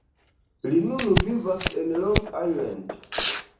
Li nun vivas en Long Island.